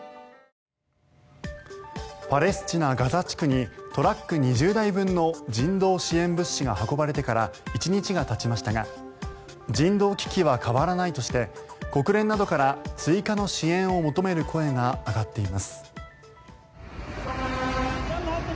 パレスチナ・ガザ地区にトラック２０台分の人道支援物資が運ばれてから１日がたちましたが人道危機は変わらないとして国連などから追加の支援を求める声が上がっています。